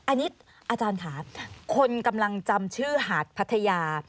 อันนี้อาจารย์ค่ะคนกำลังจำชื่อหาดพัทยา